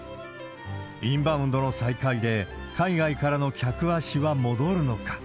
インバウンドの再開で、海外からの客足は戻るのか。